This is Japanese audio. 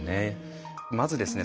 まずですね